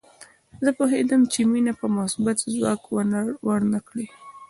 زه پوهېدم چې مينه به مثبت ځواب ورنه کړي